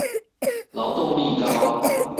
勞動力高